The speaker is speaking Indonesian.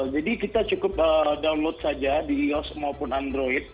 jadi kita cukup download saja di ios maupun android